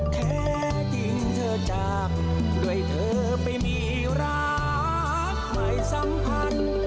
แท้จริงเธอจากด้วยเธอไปมีรักไม่สัมพันธ์